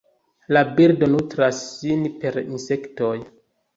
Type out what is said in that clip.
La birdo nutras sin per insektoj.